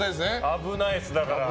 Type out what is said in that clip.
危ないです、だから。